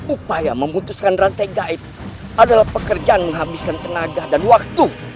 upaya memutuskan rantai gaib adalah pekerjaan menghabiskan tenaga dan waktu